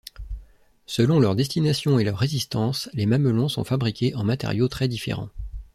Selon leur destination et leur résistance, les mamelons sont fabriqués en matériaux très différents.